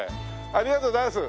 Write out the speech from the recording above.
ありがとうございます。